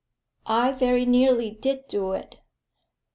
"I very nearly did do it.